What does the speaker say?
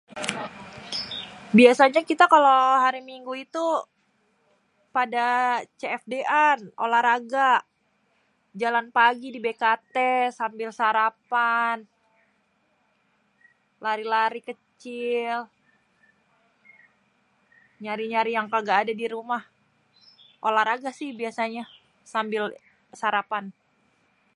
Biasanye kita kalo hari Minggu itu pada CFD-an, olahraga, jalan pagi di BKT sambil sarapan. Lari-lari kecil, nyari-nyari yang kaga ade di rumah. Olahraga sih biasenye sambil sarapan.